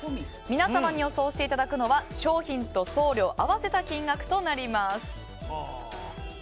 皆様に予想していただくのは商品と送料合わせた金額となります。